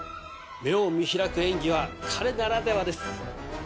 目を見開く演技は彼ならではです。